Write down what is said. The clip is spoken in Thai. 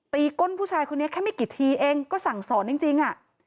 ก้นผู้ชายคนนี้แค่ไม่กี่ทีเองก็สั่งสอนจริง